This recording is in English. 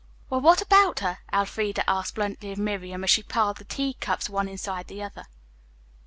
"Well, what about her?" Elfreda asked bluntly of Miriam, as she piled the tea cups one inside the other.